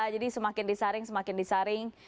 jadi semakin disaring semakin disaring